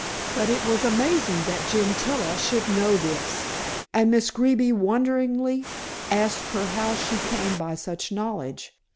But it was amazing that Gentilla should know this, and Miss Greeby wonderingly asked her how she came by such knowledge.